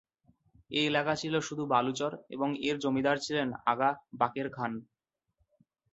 এ এলাকা ছিল শুধু বালুচর এবং এর জমিদার ছিলেন আগা বাকের খান।